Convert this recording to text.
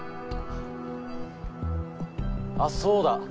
あそうだ。